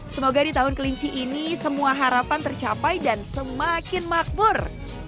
semoga di tahun kelinci ini semua harapan tercapai dan semakin makmur